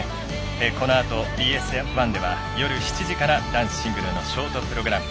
このあとＢＳ１では夜７時から男子シングルのショートプログラム。